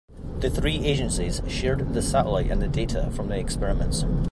The three agencies shared the satellite and the data from the experiments.